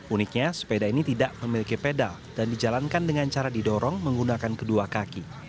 uniknya sepeda ini tidak memiliki pedal dan dijalankan dengan cara didorong menggunakan kedua kaki